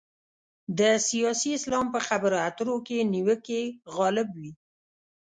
د سیاسي اسلام په خبرو اترو کې نیوکې غالب وي.